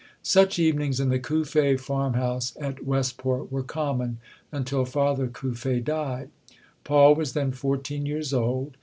Such evenings in the Cuffe farmhouse at West port were common until Father Cuffe died. Paul was then fourteen years old.